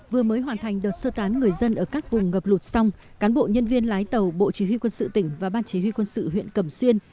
vừa mới hoàn thành đợt sơ tán người dân ở các vùng ngập lụt xong cán bộ nhân viên lái tàu bộ chỉ huy quân sự tỉnh và ban chỉ huy quân sự huyện cầm xuyên